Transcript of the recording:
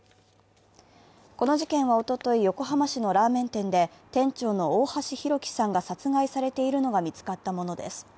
この事件は、おととい、横浜市のラーメン店で店長の大橋弘輝さんが殺害されているのが見つかったものです。